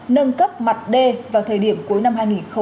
nâng cấp mặt đê vào thời điểm cuối năm hai nghìn hai mươi